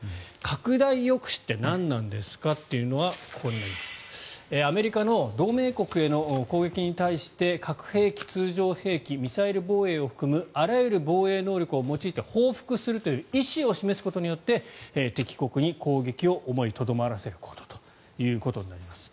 拡大抑止って何なんですかというのはアメリカの同盟国への攻撃に対して核兵器、通常兵器ミサイル防衛を含むあらゆる防衛能力を用いて報復するという意思を示すことによって敵国に攻撃を思いとどまらせることだということです。